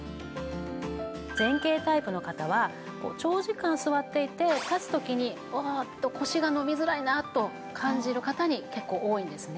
前傾タイプの方は長時間座っていて立つ時に腰が伸びづらいなと感じる方に結構多いんですね。